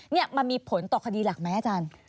นี่มันมีผลต่อคดีหลักไหมอาจารย์